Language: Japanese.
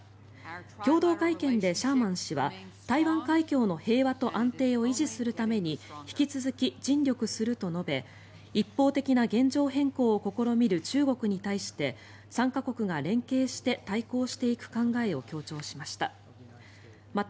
共同会見でシャーマン氏は台湾海峡の平和と安定を維持するために引き続き尽力すると述べ一方的な現状変更を試みる中国に対して３か国が連携して対抗していく考えを強調しました。